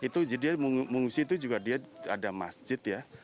pengungsi itu juga dia ada masjid ya